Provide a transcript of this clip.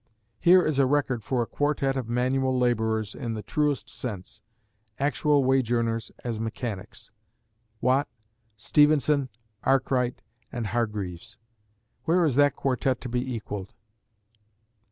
Here is a record for a quartette of manual laborers in the truest sense, actual wage earners as mechanics Watt, Stephenson, Arkwright, and Hargreaves! Where is that quartette to be equalled?